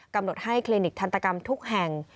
กำหนดให้คลินิกทันตกรรมทุกแห่ง